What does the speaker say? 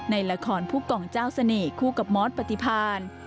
ในละครผู้กองเจ้าเสน่ห์คู่กับมอสปฏิพาน